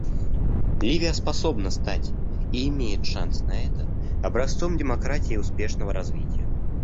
Ливия способна стать — и имеет шанс на это — образцом демократии и успешного развития.